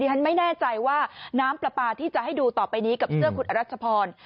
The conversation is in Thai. ฉันไม่แน่ใจว่าน้ำปลาปลาที่จะให้ดูต่อไปนี้กับเสื้อคุณอรัชพร